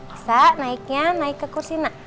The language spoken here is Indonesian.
bisa naiknya naik ke kursi nak